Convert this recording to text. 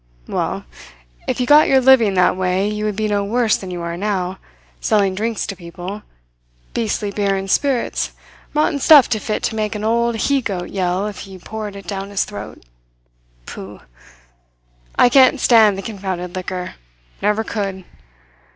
"Well, if you got your living that way you would be no worse than you are now, selling drinks to people beastly beer and spirits, rotten stuff fit to make an old he goat yell if you poured it down its throat. Pooh! I can't stand the confounded liquor. Never could.